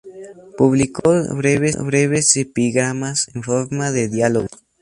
Publicó breves epigramas en forma de diálogos.